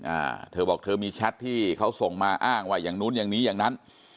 อ่าเธอบอกเธอมีแชทที่เขาส่งมาอ้างว่าอย่างนู้นอย่างนี้อย่างนั้น